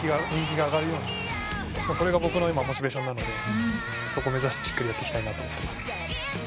それが僕の今モチベーションなのでそこ目指してしっかりやっていきたいなと思ってます。